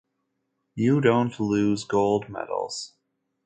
You don't lose gold medals.